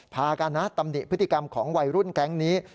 พากันนะตำหนิพฤติกรรมของวัยรุ่นแก๊งนี้